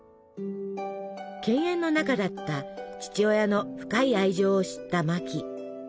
犬猿の仲だった父親の深い愛情を知ったマキ。